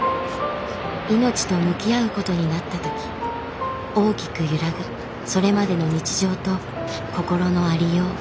命と向き合うことになったとき大きく揺らぐそれまでの日常と心のありよう。